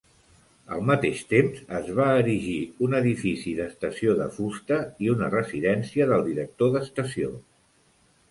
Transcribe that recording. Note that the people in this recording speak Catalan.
Al mateix temps, es va erigir un edifici d'estació de fusta i una residència del director d'estació.